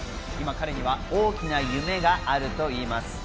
今、彼には大きな夢があるといいます。